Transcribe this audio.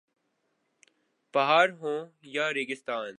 پہاڑ ہوں یا ریگستان